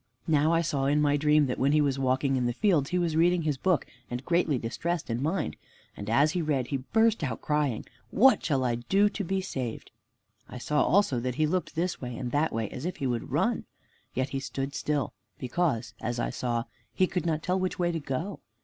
Now I saw in my dream that when he was walking in the fields, he was reading his book and greatly distressed in mind. And as he read, he burst out crying, "What shall I do to be saved?" I saw also that he looked this way and that way, as if he would run. Yet he stood still, because, as I saw, he could not tell which way to go.